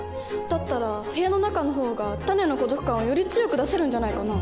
だったら部屋の中の方がタネの孤独感をより強く出せるんじゃないかな？